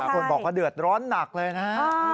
คนบอกว่าเดือดร้อนหนักเลยนะฮะ